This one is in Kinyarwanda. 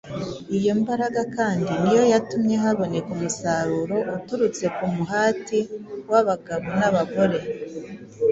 Iyo mbaraga kandi ni yo yatumye haboneka umusaruro uturutse ku muhati w’abagabo n’abagore